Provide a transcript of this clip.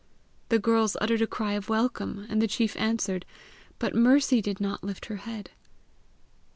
The girls uttered a cry of welcome, and the chief answered, but Mercy did not lift her head.